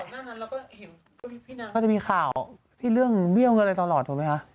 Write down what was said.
เราก็เห็นพี่นางเขาจะมีข่าวที่เรื่องเงี้ยเงินอะไรตลอดเหรอไหมฮะ